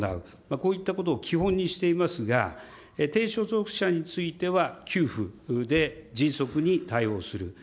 こういったことを基本にしていますが、低所得者については給付で迅速に対応する。